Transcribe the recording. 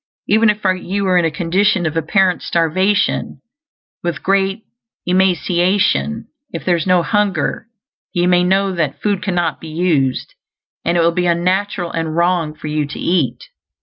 Even if you are in a condition of apparent starvation, with great emaciation, if there is no hunger you may know that FOOD CANNOT BE USED, and it will be unnatural and wrong for you to eat.